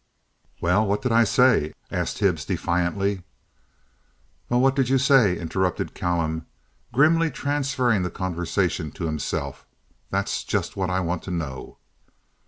"Well, what did I say?" asked Hibbs, defiantly. "Well, what did you say?" interrupted Callum, grimly, transferring the conversation to himself. "That's just what I want to know."